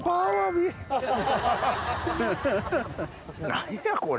何やこれ？